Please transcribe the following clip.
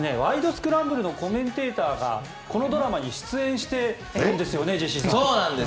スクランブル」のコメンテーターがこのドラマに出演しているんですよね。